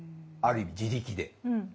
ある意味自力で。